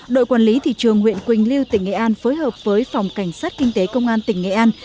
đội quản lý thị trường huyện quỳnh lưu tỉnh nghệ an phối hợp với phòng cảnh sát kinh tế công an tỉnh nghệ an